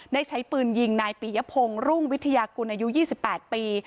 ได้ใช้ปืนยิงนายปียพงศ์รุ่งวิทยากุลอายุ๒๘ปี